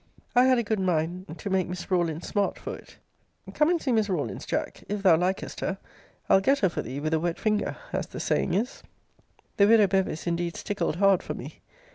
I had a good mind to make Miss Rawlins smart for it. Come and see Miss Rawlins, Jack. If thou likest her, I'll get her for thee with a wet finger, as the saying is! The widow Bevis indeed stickled hard for me.